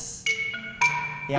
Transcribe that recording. sekarang kita taruh di rumah